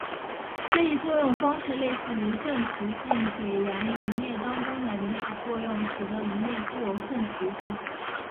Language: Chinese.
这一作用方式类似于顺磁性水盐溶液当中的离子作用使得溶液具有顺磁性。